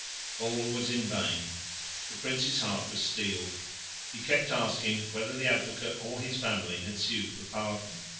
All was in vain. The Prince's heart was steeled. He kept asking whether the Advocate or his family had sued for pardon.